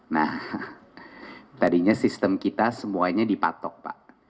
nah tadinya sistem kita semuanya dipatok pak